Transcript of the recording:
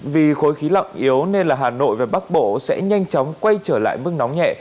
vì khối khí lạnh yếu nên là hà nội và bắc bộ sẽ nhanh chóng quay trở lại mức nóng nhẹ